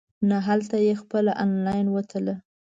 نه هلته یې خپله انلاین وتله.